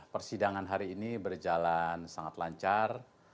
persidangan hari ini berjalan sangat lancar